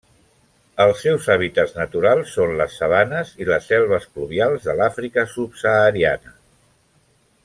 Els seus hàbitats naturals són les sabanes i les selves pluvials de l'Àfrica subsahariana.